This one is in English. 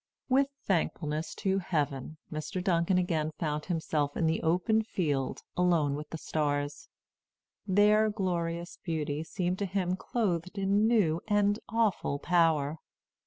With thankfulness to Heaven, Mr. Duncan again found himself in the open field, alone with the stars. Their glorious beauty seemed to him clothed in new and awful power.